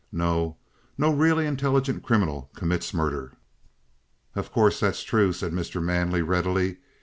No: no really intelligent criminal commits murder." "Of course, that's true," said Mr. Manley readily.